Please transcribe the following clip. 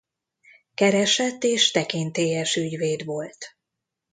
Keresett és tekintélyes ügyvéd volt.